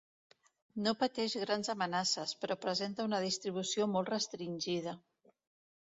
No pateix grans amenaces, però presenta una distribució molt restringida.